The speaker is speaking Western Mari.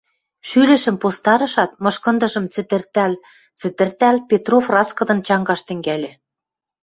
Шӱлӹшӹм постарышат, мышкындыжым цӹтӹртӓл-цӹтӹртӓл, Петров раскыдын чангаш тӹнгӓльӹ.